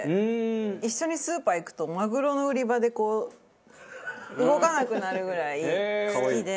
一緒にスーパー行くとマグロの売り場でこう動かなくなるぐらい好きで。